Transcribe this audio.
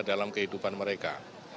dalam kehidupan mereka